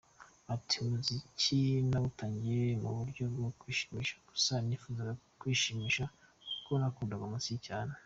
Ati “Umuziki nawutangiye mu buryo bwo kwishimisha gusa, nifuzaga kwishimisha kuko nakundaga umuziki cyane.